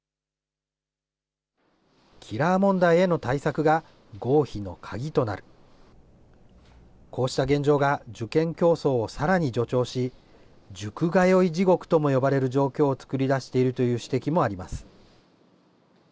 キラー問題への対策が合否の鍵となる、こうした現状が受験競争をさらに助長し、塾通い地獄とも呼ばれる状況を作り出しているという指摘もあります。